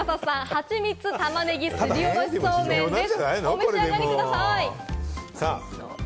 はちみつ玉ねぎすりおろしそうめんです。